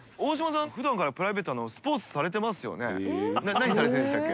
何されてるんでしたっけ？